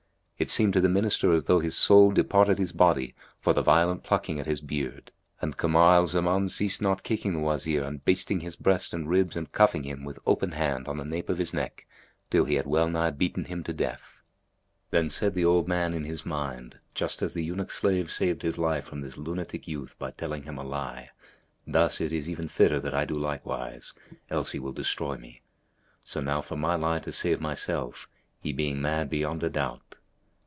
It seemed to the Minister as though his soul departed his body for the violent plucking at his beard; and Kamar al Zaman ceased not kicking the Wazir and basting his breast and ribs and cuffing him with open hand on the nape of his neck till he had well nigh beaten him to death. Then said the old man in his mind, "Just as the eunuch slave saved his life from this lunatic youth by telling him a lie, thus it is even fitter that I do likewise; else he will destroy me. So now for my lie to save myself, he being mad beyond a doubt."